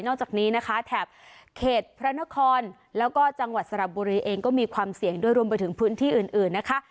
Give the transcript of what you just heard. จากนี้นะคะแถบเขตพระนครแล้วก็จังหวัดสระบุรีเองก็มีความเสี่ยงด้วยรวมไปถึงพื้นที่อื่นนะคะ